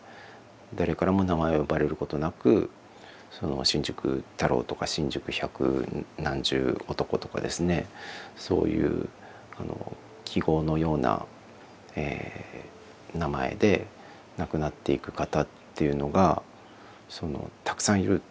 誰からも名前を呼ばれることなく新宿太郎とか新宿百何十男とかですねそういう記号のような名前で亡くなっていく方っていうのがたくさんいる。